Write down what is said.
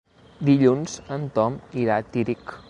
Dilluns en Tom irà a Tírig.